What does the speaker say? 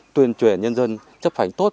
tuyên truyền nhân dân chấp hành tốt